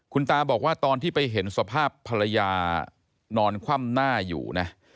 คุณตาบอกว่าตอนที่ไปเห็นสภาพภรรยานอนคว่ำหน้าอยู่นะ